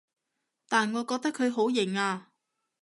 但我覺得佢好型啊